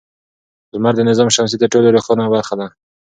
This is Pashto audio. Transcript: لمر د نظام شمسي تر ټولو روښانه برخه ده.